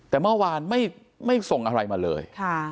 แต่เมื่อวานไม่ส่งอะไรมาเลย